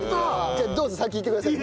じゃあどうぞ先いってください。